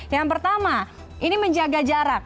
yang pertama ini menjaga jarak